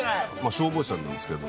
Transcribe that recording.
消防士さんなんですけど。